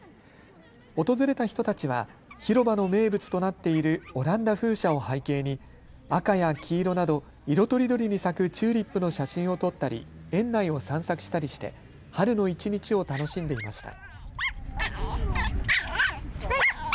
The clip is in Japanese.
訪れた人たちは広場の名物となっているオランダ風車を背景に赤や黄色など色とりどりに咲くチューリップの写真を撮ったり、園内を散策したりして春の一日を楽しんでいました。